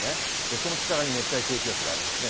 その北側に熱帯低気圧がありますね。